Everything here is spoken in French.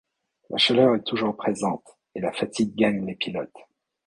La chaleur est toujours présente, et la fatigue gagne les pilotes.